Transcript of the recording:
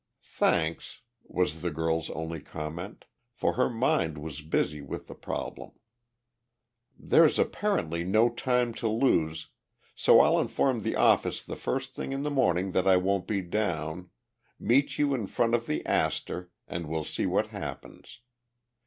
"Thanks," was the girl's only comment, for her mind was busy with the problem. "There's apparently no time to lose, so I'll inform the office the first thing in the morning that I won't be down, meet you in front of the Astor, and we'll see what happens.